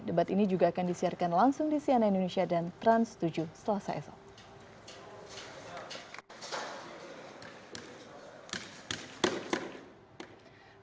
debat ini juga akan disiarkan langsung di sianai indonesia dan trans tujuh setelah selesai